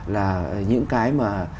là những cái mà